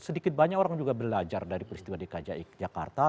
sedikit banyak orang juga belajar dari peristiwa dki jakarta